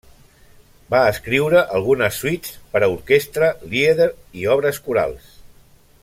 Va escriure algunes suites per a orquestra, lieder i obres corals.